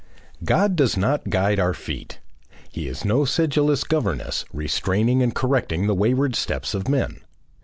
God does not guide our feet. He is no sedulous governess restraining and correcting the wayward steps of men.